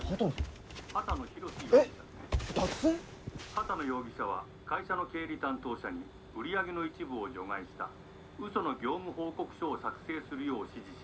「波多野容疑者は会社の経理担当者に売り上げの一部を除外したうその業務報告書を作成するよう指示し」。